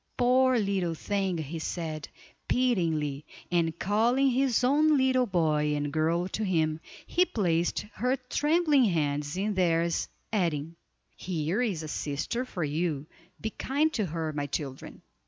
poor little thing!" he said, pityingly, and calling his own little boy and girl to him, he placed her trembling hands in theirs, adding: "Here is a sister for you, be kind to her, my children."